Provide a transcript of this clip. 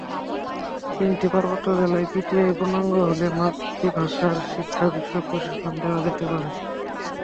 তিনটি পার্বত্য জেলায় পিটিআই পূর্ণাঙ্গ হলে মাতৃভাষায় শিক্ষাবিষয়ক প্রশিক্ষণ দেওয়া যেতে পারে।